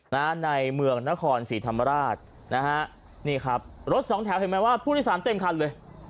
ในเมืองนครศรีธรรมราชนะฮะนี่ครับรถสองแถวเห็นไหมว่าผู้โดยสารเต็มคันเลย